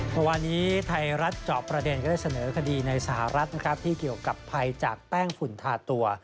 เมื่อวานนี้ไทยรัฐจอบประเด็นก็ได้เสนอคดีในสหรัฐนะครับที่เกี่ยวกับภัยจากแป้งฝุ่นทาตัว